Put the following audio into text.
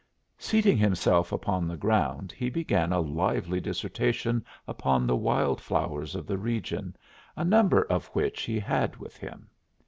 Seating himself upon the ground he began a lively dissertation upon the wild flowers of the region, a number of which he had with him.